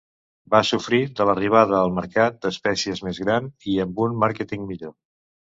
Va sofrir de l'arribada al mercat d'espècies més grans i amb un màrqueting millor.